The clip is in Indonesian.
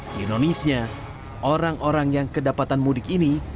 di indonesia orang orang yang kedapatan mudik ini